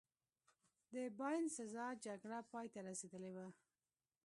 د باینسزا جګړه پایته رسېدلې وه.